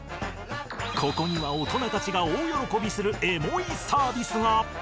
ここには大人たちが大喜びするエモいサービスが。